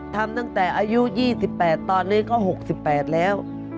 ทำตั้งแต่อายุ๒๘ตอนนี้ก็๖๘แล้ว